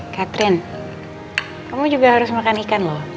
catherine kamu juga harus makan ikan loh